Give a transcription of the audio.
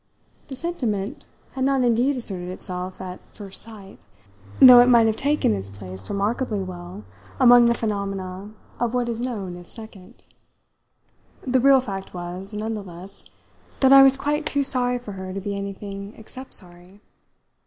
The sentiment had not indeed asserted itself at "first sight," though it might have taken its place remarkably well among the phenomena of what is known as second. The real fact was, none the less, that I was quite too sorry for her to be anything except sorry.